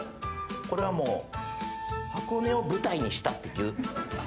これはもう「箱根を舞台にした」って言う。